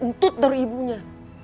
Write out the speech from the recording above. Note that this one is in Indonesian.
untut dari ibunya